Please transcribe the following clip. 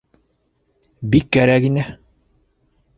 —Бик кәрәк ине!